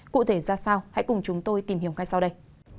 cụ thể ra sao hãy cùng chúng tôi tìm hiểu ngay sau đây